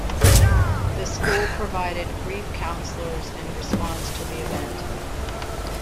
The school provided grief counselors in response to the event.